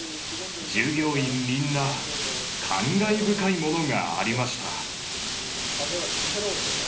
従業員みんな、感慨深いものがありました。